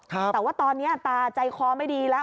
แต่ว่าตอนนี้ตาใจคอไม่ดีแล้ว